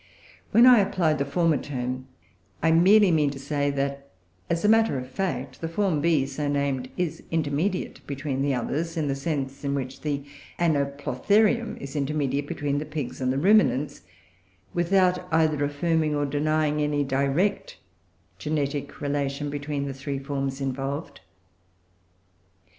When I apply the former term, I merely mean to say that as a matter of fact, the form B, so named, is intermediate between the others, in the sense in which the Anoplotherium is intermediate between the Pigs and the Ruminants without either affirming, or denying, any direct genetic relation between the three forms involved.